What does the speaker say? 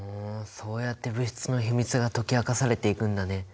そうやって物質の秘密が解き明かされていくんだね。